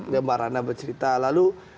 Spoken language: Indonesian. dan mbak randa bercerita lalu